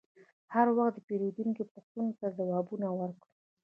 هر وخت د پیرودونکي پوښتنو ته ځواب ورکړه.